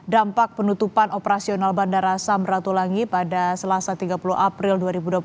dampak penutupan operasional bandara samratulangi pada selasa tiga puluh april dua ribu dua puluh satu